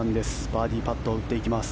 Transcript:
バーディーパットを打っていきます。